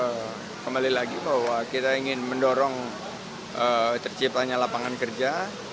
ya kalau sesuai tentunya kembali lagi bahwa kita ingin mendorong terciptanya lapangan kerja